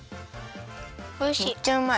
おいしい。